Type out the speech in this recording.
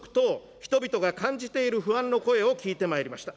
人々が感じている不安の声を聞いてまいりました。